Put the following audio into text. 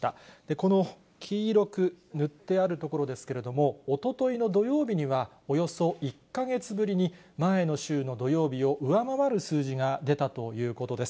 この黄色く塗ってあるところですけれども、おとといの土曜日には、およそ１か月ぶりに、前の週の土曜日を上回る数字が出たということです。